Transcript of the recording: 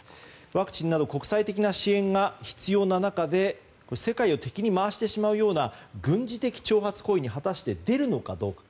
ワクチンなど国際的な支援が必要な中で世界を敵に回してしまうような軍事的挑発行為に果たして出るのかどうか。